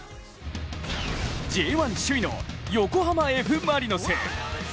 Ｊ１首位の横浜Ｆ・マリノス。